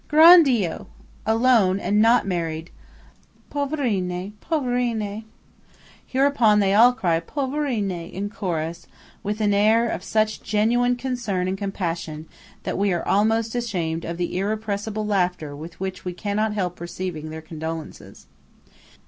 "Gran' Dio! Alone, and not married! Poverine! poverine! " Hereupon they all cry "poverine" in chorus, with an air of such genuine concern and compassion that we are almost ashamed of the irrepressible laughter with which we cannot help receiving their condolences.